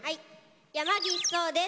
山岸想です。